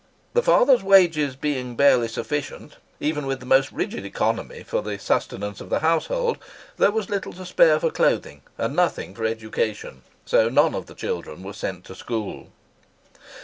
The father's wages being barely sufficient, even with the most rigid economy, for the sustenance of the household, there was little to spare for clothing, and nothing for education, so none of the children were sent to school.